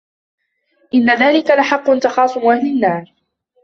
إِنَّ ذلِكَ لَحَقٌّ تَخاصُمُ أَهلِ النّارِ